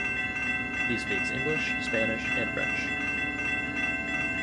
He speaks English, Spanish, and French.